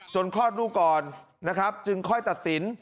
คลอดลูกก่อนนะครับจึงค่อยตัดสิน